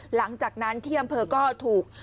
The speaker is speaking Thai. หลังจากนั้นที่อำเภอก็ถูก